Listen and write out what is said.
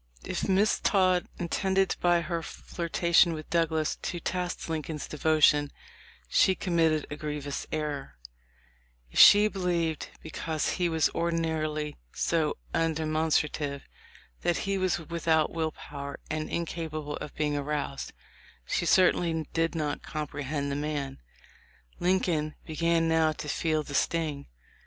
If Miss Todd intended by her flirtation with Douglas to test Lincoln's devotion, she committed a grievous error. If she believed, because he was ordinarily so undemonstrative, that he was without Mrs. Harriett Chapman, statement, Nov. 8, 1887. 212 THE LIFE OF LINCOLN. will power and incapable of being aroused, she certainly did not comprehend the man. Lincoln began now to feel the sting.